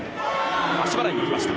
足払いに行きました。